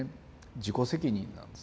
自己責任なんです。